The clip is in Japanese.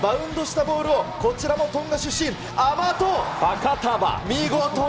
バウンドしたボールを、こちらもトンガファカタヴァ。